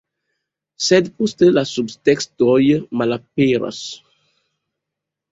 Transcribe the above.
Sed poste, la subtekstoj malaperas.